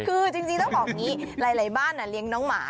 คือจริงต้องบอกอย่างนี้หลายบ้านเลี้ยงน้องหมา